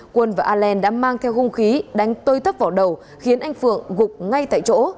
quân và allen đã mang theo không khí đánh tơi thấp vào đầu khiến anh phượng gục ngay tại chỗ